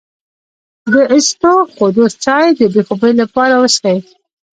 د اسطوخودوس چای د بې خوبۍ لپاره وڅښئ